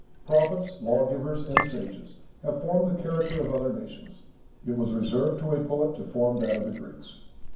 Prophets, lawgivers, and sages have formed the character of other nations; it was reserved to a poet to form that of the Greeks.